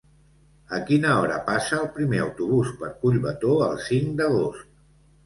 A quina hora passa el primer autobús per Collbató el cinc d'agost?